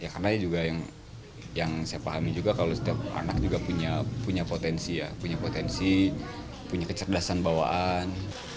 karena yang saya pahami juga kalau setiap anak juga punya potensi punya kecerdasan bawaan